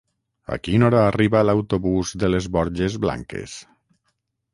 A quina hora arriba l'autobús de les Borges Blanques?